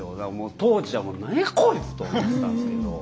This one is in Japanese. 当時はもう何やこいつと思ってたんですけど。